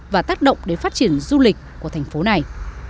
và tác động để phát triển du lịch của thành phố này